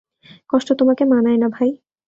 কষ্ট তোমাকে মানায় না ভাই।